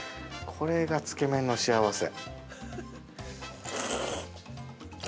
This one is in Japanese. これがつけ麺の幸せ。